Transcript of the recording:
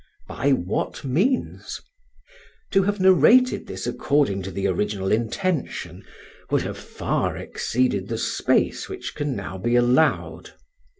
By what means? To have narrated this according to the original intention would have far exceeded the space which can now be allowed.